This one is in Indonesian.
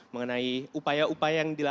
mengenai upaya upaya yang